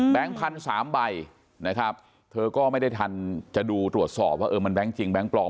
พันสามใบนะครับเธอก็ไม่ได้ทันจะดูตรวจสอบว่าเออมันแบงค์จริงแก๊งปลอม